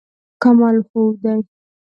کمال ښودی.